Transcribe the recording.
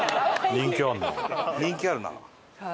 人気あるなあ。